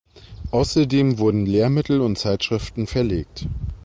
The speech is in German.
Außerdem wurden Lehrmittel und Zeitschriften verlegt.